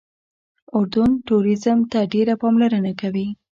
اردن ټوریزم ته ډېره پاملرنه کوي.